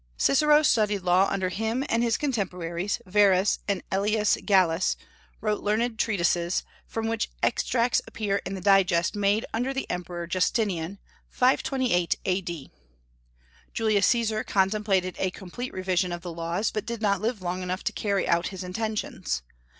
Cicero studied law under him, and his contemporaries, Varus and Aelius Gallus, wrote learned treatises, from which extracts appear in the Digest made under the Emperor Justinian, 528 A.D. Julius Caesar contemplated a complete revision of the laws, but did not live long enough to carry out his intentions.